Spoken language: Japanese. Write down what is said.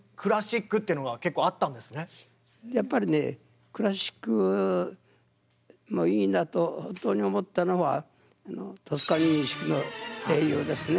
やっぱりねクラシックもいいなと本当に思ったのはトスカニーニ指揮の「英雄」ですね。